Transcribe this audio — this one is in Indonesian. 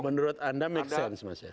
menurut anda make sense mas ya